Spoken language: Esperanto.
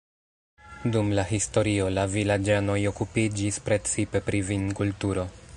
Dum la historio la vilaĝanoj okupiĝis precipe pri vinkulturo.